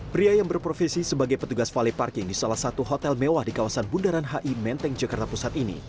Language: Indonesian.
pria yang berprofesi sebagai petugas volley parking di salah satu hotel mewah di kawasan bundaran hi menteng jakarta pusat ini